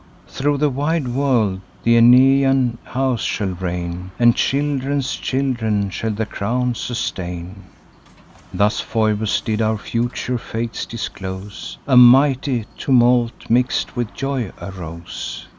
Through the wide world th' Aeneian house shall reign, And children's children shall the crown sustain.' Thus Phoebus did our future fates disclose: A mighty tumult, mix'd with joy, arose.